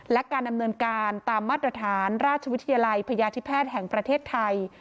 และการดำเนินการตามมาตรฐานราชวิทยาลัยพยาธิแพทย์แห่งประเทศไทย